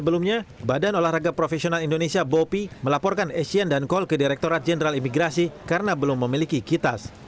seorang warga profesional indonesia bopi melaporkan esien dan call ke direkturat jenderal imigrasi karena belum memiliki kitas